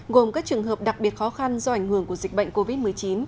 gồm các trường hợp đặc biệt khó khăn do ảnh hưởng của dịch bệnh covid một mươi chín